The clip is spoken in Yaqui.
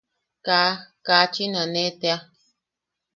Kaa... kaachin aane tea.